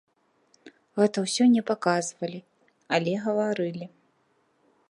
Гэта ўсё не паказвалі, але гаварылі.